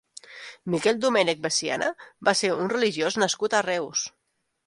Miquel Domènech Veciana va ser un religiós nascut a Reus.